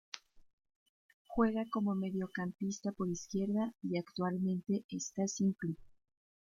Juega como mediocampista por izquierda y actualmente está sin club.